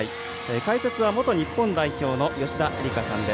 解説は元日本代表の吉田絵里架さんです。